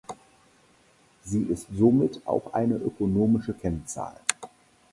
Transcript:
Sie ist somit auch eine ökonomische Kennzahl.